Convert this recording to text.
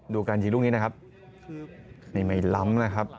การยิงลูกนี้นะครับนี่ไม่ล้ำนะครับ